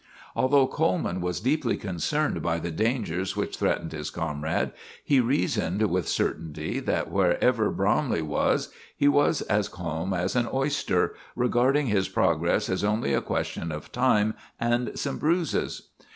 Although Coleman was deeply concerned by the dangers which threatened his comrade, he reasoned with certainty that wherever Bromley was, he was as calm as an oyster, regarding his progress as only a question of time and some bruises.